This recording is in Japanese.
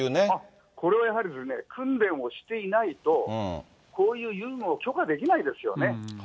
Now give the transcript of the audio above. これはやはり、訓練をしていないと、こういう遊具は許可できないですよね。